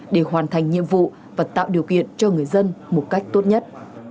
để hoàn thành nhiệm vụ và tạo điều kiện cho người dân một cách tốt nhất